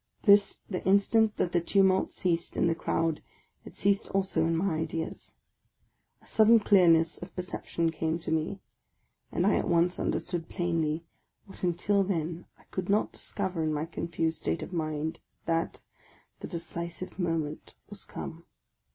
The instant that the tumult ceased in the crowd, it ceased also in my ideas: a sudden clearness of per ception came to me, and I at once understood plainly, what until then I could not discover in my confused state of mind, that the decisive moment was come!